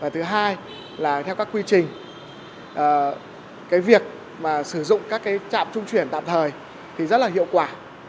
thứ hai là theo các quy trình việc sử dụng các trạm trung chuyển tạm thời rất hiệu quả